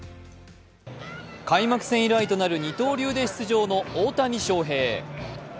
開幕戦以来となる二刀流で出場の大谷翔平。